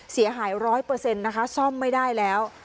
เสียหาย๑๐๐นะคะซ่อมไม่ได้แล้ว